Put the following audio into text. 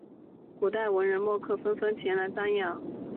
古代文人墨客纷纷前来瞻仰。